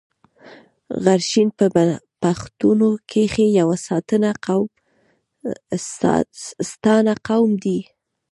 غرشین په پښتنو کښي يو ستانه قوم دﺉ.